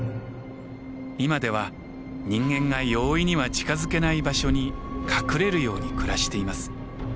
今では人間が容易には近づけない場所に隠れるように暮らしています。